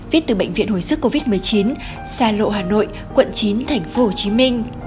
viết từ bệnh viện hồi sức covid một mươi chín xa lộ hà nội quận chín tp hcm